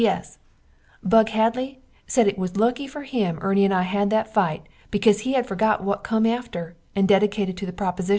P.S. Bug Hadley sez it is lucky fer him Erny and I had that fite, because he had fergot what come after, and dedicatid to the proposishun.